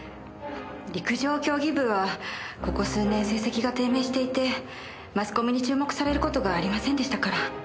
陸上競技部はここ数年成績が低迷していてマスコミに注目される事がありませんでしたから。